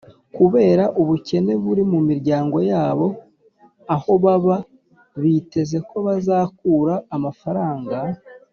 kubera ubukene buri mu miryango yabo, aho baba biteze ko bazakura amafaranga